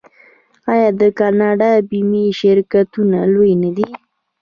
آیا د کاناډا بیمې شرکتونه لوی نه دي؟